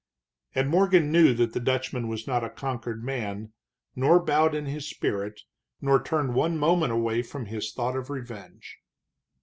And Morgan knew that the Dutchman was not a conquered man, nor bowed in his spirit, nor turned one moment away from his thought of revenge.